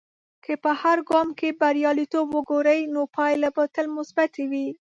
که په هر ګام کې بریالیتوب وګورې، نو پایلې به تل مثبتي وي.